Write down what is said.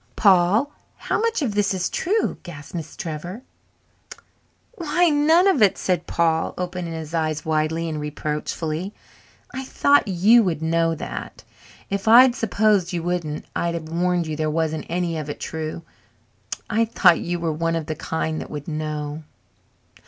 "Paul! How much of this is true?" gasped Miss Trevor. "Why, none of it!" said Paul, opening his eyes widely and reproachfully. "I thought you would know that. If I'd s'posed you wouldn't I'd have warned you there wasn't any of it true. I thought you were one of the kind that would know."